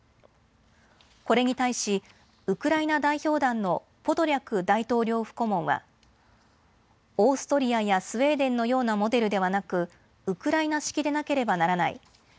これに対し、ウクライナ代表団のポドリャク大統領府顧問はオーストリアやスウェーデンのようなモデルではなくウクライナ式でなければならない。